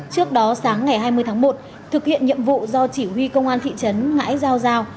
trước đó sáng ngày hai mươi tháng một thực hiện nhiệm vụ do chỉ huy công an thị trấn ngãi giao giao